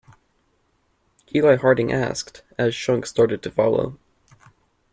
Eli Harding asked, as Shunk started to follow.